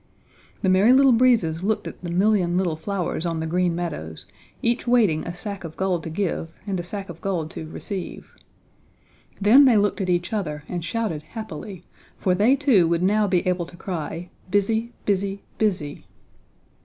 The Merry Little Breezes looked at the million little flowers on the Green Meadows, each waiting a sack of gold to give and a sack of gold to receive. Then they looked at each other and shouted happily, for they too would now be able to cry "busy, busy, busy."